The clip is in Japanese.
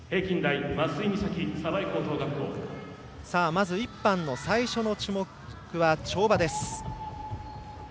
まず１班の最初の種目は跳馬です。